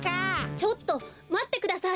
ちょっとまってください。